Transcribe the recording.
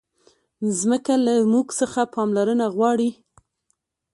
مځکه له موږ څخه پاملرنه غواړي.